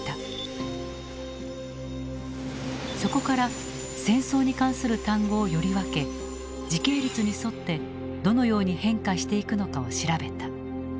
そこから戦争に関する単語をより分け時系列に沿ってどのように変化していくのかを調べた。